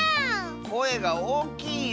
こえがおおきいよ。